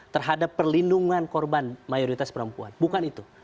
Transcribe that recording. terhadap perlindungan korban mayoritas perempuan bukan itu